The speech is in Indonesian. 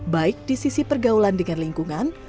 baik di sisi pergaulan dengan lingkungan